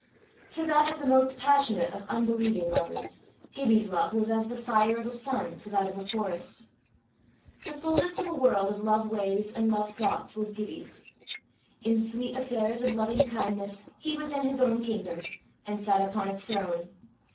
To that of the most passionate of unbelieving lovers, Gibbie's love was as the fire of a sun to that of a forest. The fulness of a world of love ways and love thoughts was Gibbie's. In sweet affairs of loving kindness, he was in his own kingdom, and sat upon its throne.